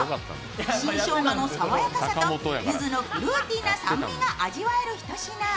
新生姜の爽やかさとゆずのフルーティーな酸味が味わえるひと品。